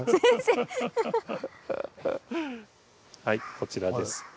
はいこちらです。